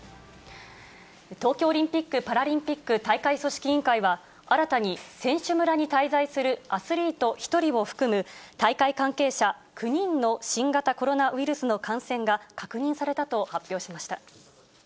東京オリンピック・パラリンピック大会組織委員会は、新たに選手村に滞在するアスリート１人を含む大会関係者９人の新型コロナウイルスの感染が確認されたと発表しました。